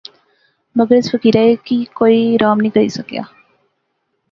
مگر اس فقیرے کی کوئی رام نی کری سکیا